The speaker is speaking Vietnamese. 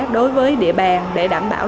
đối với địa bàn để đảm bảo